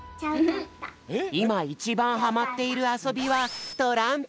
いまいちばんはまっているあそびはトランプ。